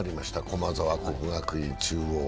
駒沢、国学院、中央。